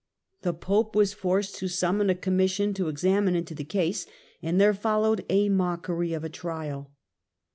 The Pope was forced to summon a commission to examine into the case, and there followed a mockery of a trial.